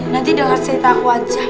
nanti denger ceritaku aja